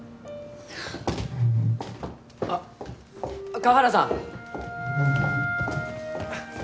あっ河原さん！